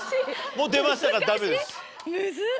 もう出ましたからダメです。